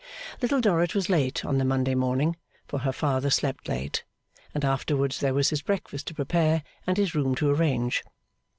Little Dorrit was late on the Monday morning, for her father slept late, and afterwards there was his breakfast to prepare and his room to arrange.